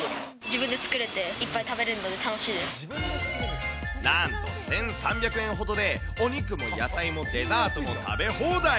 自分で作れて、いっぱい食べなんと１３００円ほどで、お肉も野菜もデザートも食べ放題。